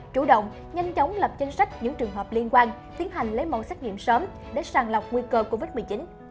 chủ động nhanh chóng lập danh sách những trường hợp liên quan tiến hành lấy mẫu xét nghiệm sớm để sàng lọc nguy cơ covid một mươi chín